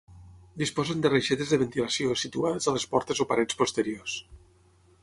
Disposen de reixetes de ventilació situades a les portes o parets posteriors.